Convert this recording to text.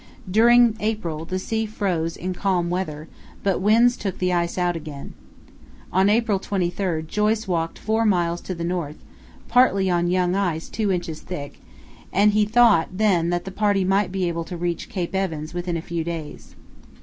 During April the sea froze in calm weather, but winds took the ice out again. On April 23 Joyce walked four miles to the north, partly on young ice two inches thick, and he thought then that the party might be able to reach Cape Evans within a few days.